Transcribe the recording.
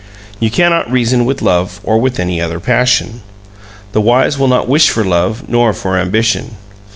You cannot reason with love or with any other passion. The wise will not wish for love nor for ambition.